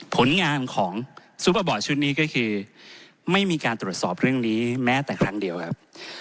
ผลงานของซูเปอร์บอร์ดชุดนี้ก็คือไม่มีการตรวจสอบเรื่องนี้แม้แต่ครั้งเดียวครับ